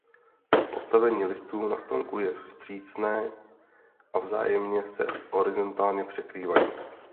Postavení listů na stonku je vstřícné a vzájemně se horizontálně překrývají.